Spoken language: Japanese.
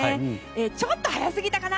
ちょっと早すぎたかな。